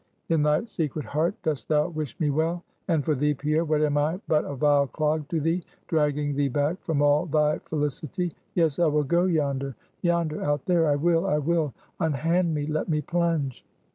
In thy secret heart dost thou wish me well? And for thee, Pierre, what am I but a vile clog to thee; dragging thee back from all thy felicity? Yes, I will go yonder yonder; out there! I will, I will! Unhand me! Let me plunge!"